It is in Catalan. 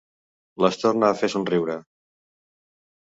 Les torna a fer somriure.